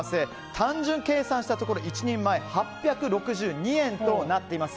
単純計算したところ１人前８６２円となっています。